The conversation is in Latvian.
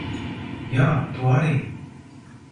Jā, tu arī.